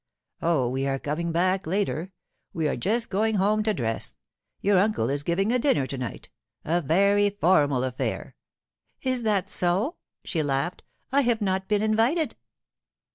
'Oh, we are coming back later; we are just going home to dress. Your uncle is giving a dinner to night—a very formal affair.' 'Is that so?' she laughed. 'I have not been invited.